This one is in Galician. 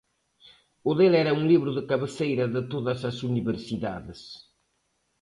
O del era un libro de cabeceira de todas as universidades.